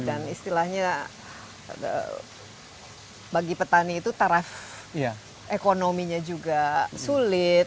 dan istilahnya bagi petani itu taraf ekonominya juga sulit